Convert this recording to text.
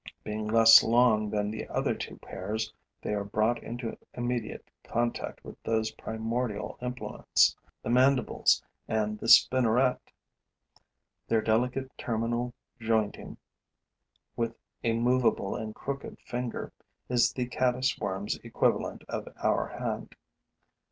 Being less long than the other two pairs, they are brought into immediate contact with those primordial implements, the mandibles and the spinneret. Their delicate terminal jointing, with a movable and crooked finger, is the caddis worm's equivalent of our hand.